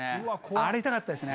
あれ痛かったですね。